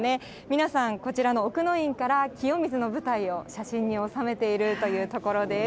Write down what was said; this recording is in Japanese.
皆さん、こちらの奥の院から清水の舞台を写真に収めているというところです。